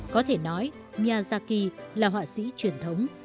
có thể nói miyazaki là họa sĩ truyền thống